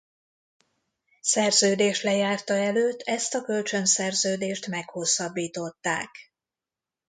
Szerződés lejárta előtt ezt a kölcsön szerződést meghosszabbították.